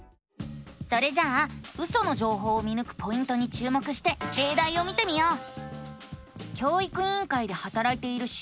それじゃあウソの情報を見ぬくポイントに注目してれいだいを見てみよう！